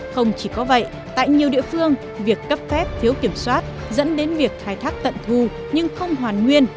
không chỉ có vậy tại nhiều địa phương việc cấp phép thiếu kiểm soát dẫn đến việc khai thác tận thu nhưng không hoàn nguyên